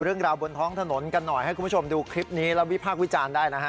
เรื่องราวบนท้องถนนกันหน่อยให้คุณผู้ชมดูคลิปนี้แล้ววิพากษ์วิจารณ์ได้นะฮะ